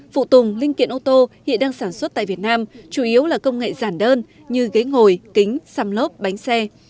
phụ tùng linh kiện ô tô hiện đang sản xuất tại việt nam chủ yếu là công nghệ giản đơn như ghế ngồi kính xăm lốp bánh xe